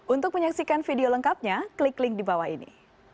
untuk menyaksikan video lengkapnya klik link di bawah ini